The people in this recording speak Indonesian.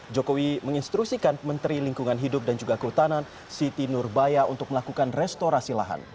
jokowi menginstruksikan menteri lingkungan hidup dan juga kehutanan siti nurbaya untuk melakukan restorasi lahan